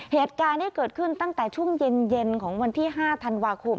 เหตุการณ์ที่เกิดขึ้นตั้งแต่ช่วงเย็นของวันที่๕ธันวาคม